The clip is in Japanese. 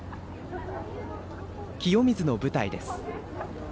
清水の舞台です。